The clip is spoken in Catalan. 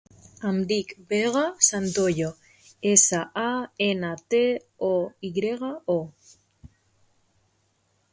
Em dic Vega Santoyo: essa, a, ena, te, o, i grega, o.